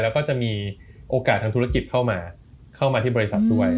แล้วก็จะมีโอกาสทางธุรกิจเข้ามาเข้ามาที่บริษัทด้วย